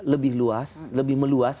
lebih luas lebih meluas